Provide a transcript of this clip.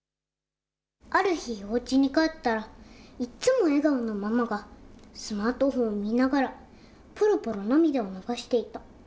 ある日、おうちに帰ったら、いっつも笑顔のママが、スマートフォンを見ながらぽろぽろ涙を流していた。